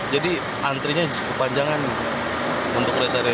jadi antrinya cukup panjangan untuk res area